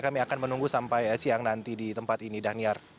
kami akan menunggu sampai siang nanti di tempat ini dhaniar